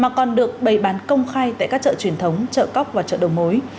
mà còn được bày bán công khai tại các chợ truyền thống chợ cóc và chợ đầu mối